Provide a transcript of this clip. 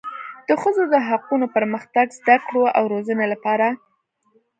د ښځو د حقوقو، پرمختګ، زده کړو او روزنې لپاره